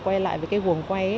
quay lại với cái vườn quay ấy